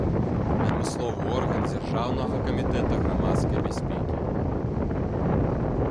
Адмысловы орган дзяржаўнага камітэта грамадскай бяспекі.